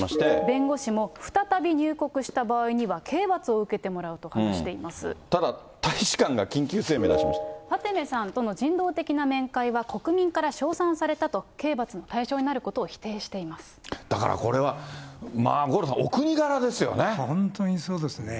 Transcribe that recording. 弁護士も再び入国した場合には、刑罰を受けてもらうと話してただ、大使館が緊急声明出しファテメさんとの人道的な面会は国民から称賛されたと、刑罰の対象になることを否定していまだからこれは五郎さん、お国本当にそうですね。